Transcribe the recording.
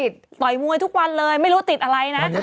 ต่อยมวยทุกวันเลยไม่รู้ติดอะไรนะ